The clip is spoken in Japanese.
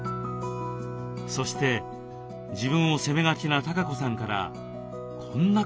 そして自分を責めがちなたかこさんからこんな言葉が出てきました。